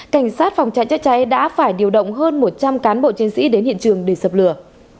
cảnh sát phòng cháy chữa cháy đã phải điều động hơn một trăm linh cán bộ chiến sĩ đến hiện trường để dập lửa